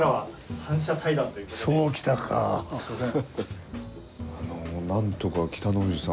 すみません。